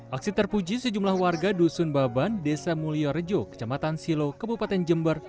aksi terpuji sejumlah warga dusun baban desa mulyo rejo kecamatan silo kepupatan jember